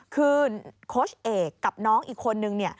คือโค้ชเอกกับน้องอีกคนนึง